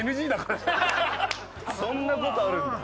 そんなことあるんだ。